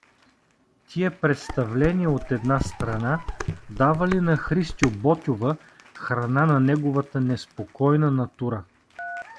Тия представления, от една страна, давали на Хр. Ботйова храна на неговата неспокойна натура.